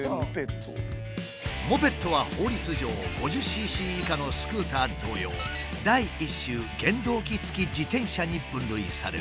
モペットは法律上５０ｃｃ以下のスクーター同様第一種原動機付自転車に分類される。